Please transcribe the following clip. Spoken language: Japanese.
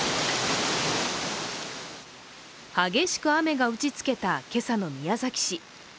激しく雨が打ちつけた今朝の宮崎市。